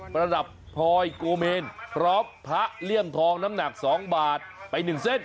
ประดับพลอยโกเมนพร้อมพระเลี่ยงทองน้ำหนักสองบาทไปหนึ่งเซ็นต์